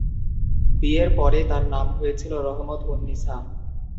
বিয়ের পরে তাঁর নাম হয়েছিল রহমত-উন-নিসা।